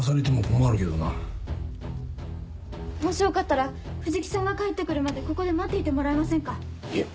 もしよかったら藤木さんが帰って来るまでここで待っていてもらえませんか？